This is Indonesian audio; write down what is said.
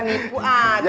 nih ibu aja